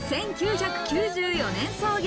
１９９４年創業